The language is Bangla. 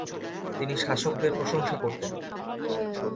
তিনি শাসকদের প্রশংসা করতেন।